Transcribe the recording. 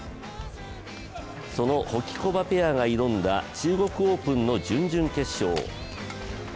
そのホキコバペアが挑んだ中国オープンの準々決勝。